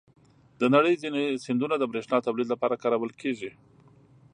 د نړۍ ځینې سیندونه د بریښنا تولید لپاره کارول کېږي.